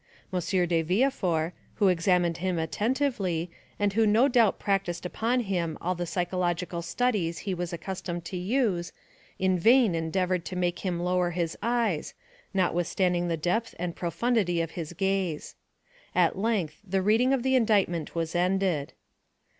M. de Villefort, who examined him attentively, and who no doubt practiced upon him all the psychological studies he was accustomed to use, in vain endeavored to make him lower his eyes, notwithstanding the depth and profundity of his gaze. At length the reading of the indictment was ended.